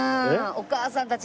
お母さんたち